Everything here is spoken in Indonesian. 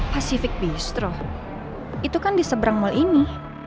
pacific bistro itu kan di seberang mall ini